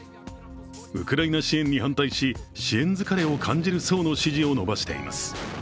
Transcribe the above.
ウクライナ支援に反対し支援疲れを感じる層の支持を伸ばしています。